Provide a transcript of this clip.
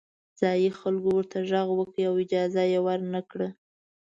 ځايي خلکو ورته غږ وکړ او اجازه یې ورنه کړه.